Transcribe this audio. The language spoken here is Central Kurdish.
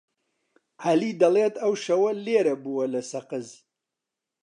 عەلی دەڵێت ئەو شەوە لێرە بووە لە سەقز.